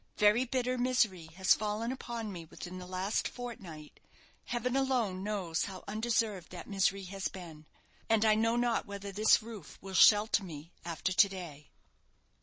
Very bitter misery has fallen upon me within the last fortnight heaven alone knows how undeserved that misery has been and I know not whether this roof will shelter me after to day."